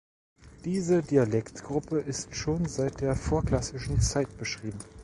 Diese Dialektgruppe ist schon seit der vorklassischen Zeit beschrieben.